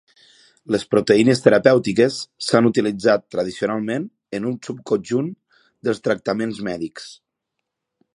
Les proteïnes terapèutiques s'han utilitzat tradicionalment en un subconjunt dels tractaments mèdics.